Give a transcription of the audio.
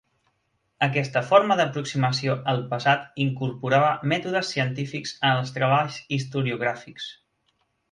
Aquesta forma d'aproximació al passat incorporava mètodes científics en els treballs historiogràfics.